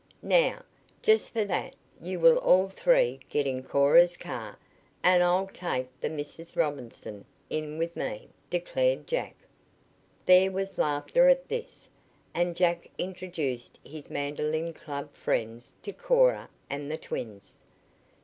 "Now, just for that you will all three get in Cora's car, and I'll take the Misses Robinson in with me," declared Jack. There was laughter at this, and Jack introduced his mandolin club friends to Cora and the twins.